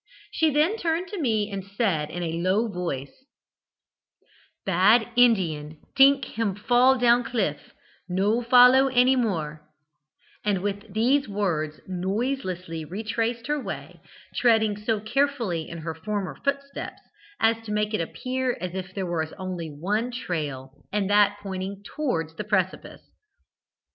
She then turned to me and said, in a low voice: "'Bad Indian tink him fall down cliff no follow any more;' and with these words noiselessly retraced her way, treading so carefully in her former footsteps as to make it appear as if there was only one trail, and that pointing towards the precipice.